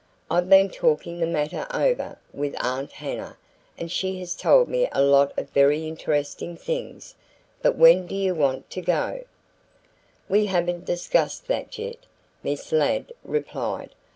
I've been talking the matter over with Aunt Hannah and she has told me a lot of very interesting things. But when do you want to go?" "We haven't discussed that yet," Miss Ladd replied.